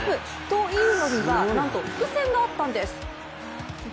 というのには、なんと伏線があったんです。